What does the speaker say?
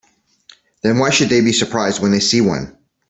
Then why should they be surprised when they see one?